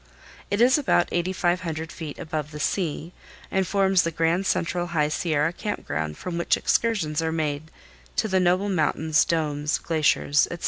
It is about 8500 feet above the sea, and forms the grand central High Sierra camp ground from which excursions are made to the noble mountains, domes, glaciers, etc.